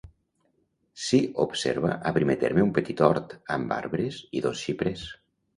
S'hi observa a primer terme un petit hort, amb arbres i dos xiprers.